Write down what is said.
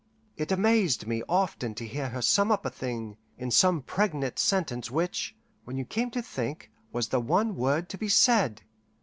It amazed me often to hear her sum up a thing in some pregnant sentence which, when you came to think, was the one word to be said.